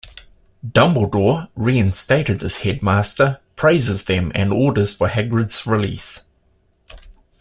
Dumbledore, reinstated as headmaster, praises them and orders for Hagrid's release.